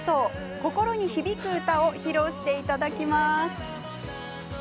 心に響く歌を披露していただきます。